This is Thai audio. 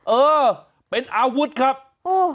เออเป็นอาวุธครับโอ้